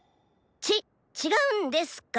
ちっちがうんですか」。